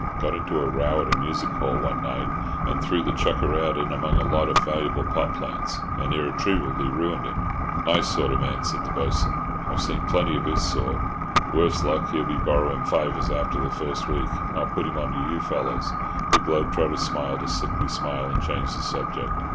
Got into a row at a music hall one night, and threw the chucker out in among a lot of valuable pot plants, and irretrievably ruined him." "Nice sort of man," said the Bo'sun. "I've seen plenty of his sort, worse luck; he'll be borrowing fivers after the first week. I'll put him on to you fellows." The globe trotter smiled a sickly smile, and changed the subject.